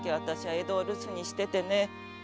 江戸を留守にしててね。